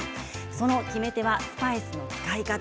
その決め手はスパイスの使い方。